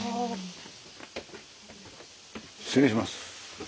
失礼します。